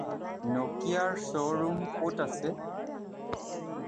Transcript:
ন’কিয়াৰ শ্ব’ৰুম ক’ত আছে?